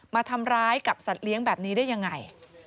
มาทำร้ายกับสัตว์เลี้ยงแบบนี้ได้ยังไง